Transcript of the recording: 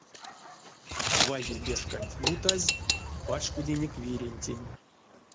Вайгельбешкань ютазь пачкодинек вирентень.